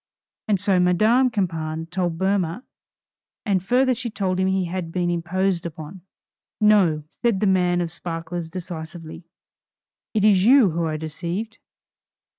And so Madame Campan told Boehmer, and further she told him he had been imposed upon. "No," said the man of sparklers decisively, "It is you who are deceived.